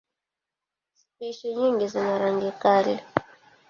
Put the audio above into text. Spishi nyingi zina rangi kali.